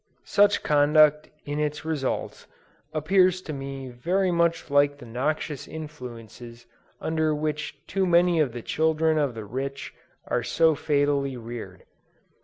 Such conduct in its results, appears to me very much like the noxious influences under which too many of the children of the rich are so fatally reared.